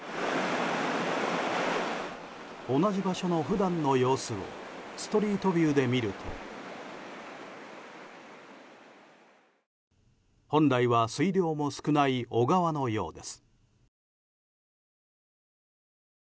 同じ場所の普段の様子をストリートビューで見ると本来は水量も少ない小川のようです。